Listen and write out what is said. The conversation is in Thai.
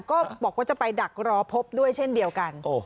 ก็บอกว่าจะไปดักรอพบด้วยเช่นเดียวกัน